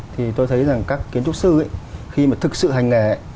thì tôi thấy rằng các kiến trúc sư khi mà thực sự hành nghề ấy